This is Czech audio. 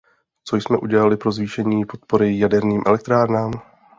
Co jsme udělali pro zvýšení podpory jaderným elektrárnám?